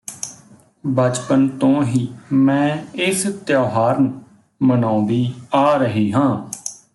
ਬਚਪਨ ਤੋੇਂ ਹੀ ਮੈਂ ਇਸ ਤਿਉਹਾਰ ਨੂੰ ਮਨਾਉਂਦੀ ਆ ਰਹੀ ਹਾਂ